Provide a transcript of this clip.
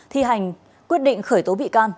thi hành quyết định khởi tố bị can